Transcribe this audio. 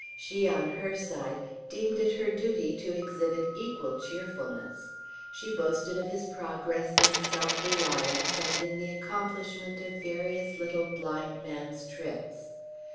She, on her side, deemed it her duty to exhibit equal cheerfulness. She boasted of his progress in self reliance and in the accomplishment of various little blind man's tricks.